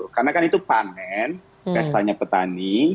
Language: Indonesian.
karena kan itu panen pesta nya petani